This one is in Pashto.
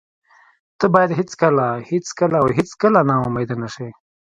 ته باید هېڅکله، هېڅکله او هېڅکله نا امید نشې.